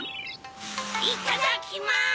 いただきます！